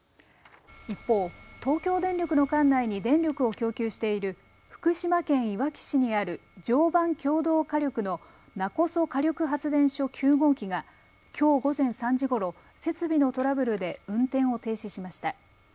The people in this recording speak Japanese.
一方、東京電力の管内に電力を供給している福島県いわき市にある常磐共同火力の勿来火力発電所９号機がきょう午前３時ごろ、設備のトラブルで運転を停止しました。